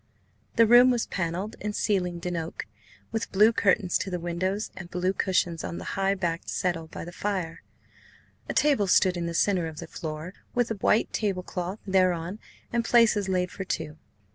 The room was panelled and ceilinged in oak, with blue curtains to the windows and blue cushions on the high backed settle by the fire. A table stood in the centre of the floor, with a white table cloth thereon and places laid for two.